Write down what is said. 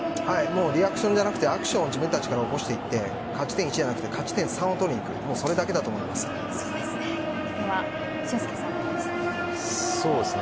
リアクションじゃなくてアクションを自分たちから起こしていって勝ち点１じゃなくて勝ち点３を取りにいくそうですね。